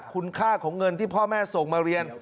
คุณค่าของเงินที่พ่อแม่ส่งมาเรียน